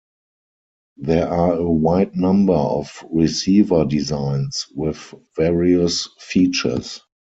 There are a wide number of receiver designs, with various features.